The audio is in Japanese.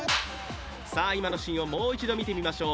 今のシーンをもう一度見てみましょう。